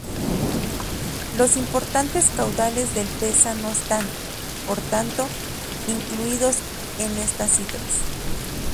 Los importantes caudales del Peza no están, por tanto, incluidos en estas cifras.